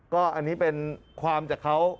ก็อันนี้เป็นความจากเขา